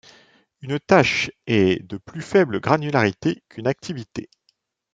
Une tâche est de plus faible granularité qu'une activité.